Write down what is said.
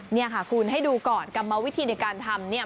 นี่ค่ะคุณให้ดูก่อนกลับมาวิธีในการทำ